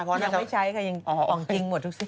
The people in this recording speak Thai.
เมียลไม่ใช้ค่ะซาวงจริงหมดทุกสิ่ง